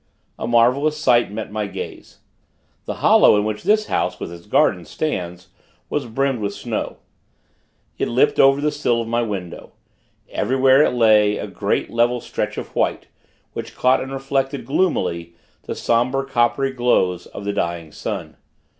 A marvelous sight met my gaze. The hollow in which this house, with its gardens, stands, was brimmed with snow. It lipped over the sill of my window. Everywhere, it lay, a great level stretch of white, which caught and reflected, gloomily, the somber coppery glows of the dying sun.